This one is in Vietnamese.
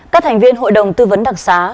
các thành viên hội đồng tư vấn đặc xá